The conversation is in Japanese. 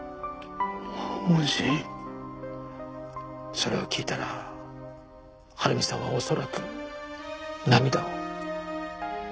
それを聞いたら晴美さんは恐らく涙を。